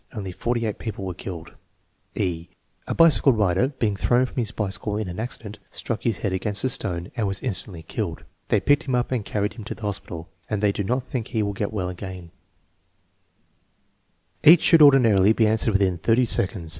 Only forty eight people were killed" (e) "A bicycle rider, being thrown from his bicycle in an accident, struck his head against a stone and was instantly killed. They picked him up and carried him to the hospital, and they do not think he will get well again" Each should ordinarily be answered within thirty sec onds.